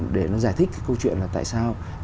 để nó giải thích câu chuyện là tại sao